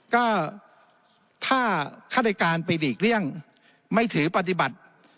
ก็ถ้าฆาตการไปหลีกเลี่ยงไม่ถือปฏิบัติ